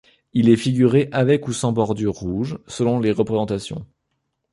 Il est figuré avec ou sans bordure rouge, selon les représentations.